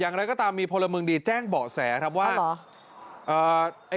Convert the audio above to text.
อย่างไรก็ตามมีพลเมืองดีแจ้งเบาะแสครับว่า